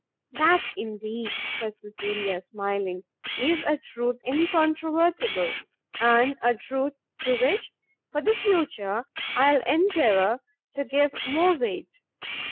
"That, indeed," said Cecilia, smiling, "is a truth incontrovertible! and a truth to which, for the future, I will endeavour to give more weight.